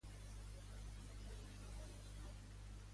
No ho sé, perquè soc molt desgraciat.